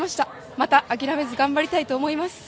また、諦めず頑張りたいと思います。